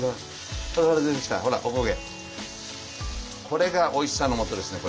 これがおいしさのもとですね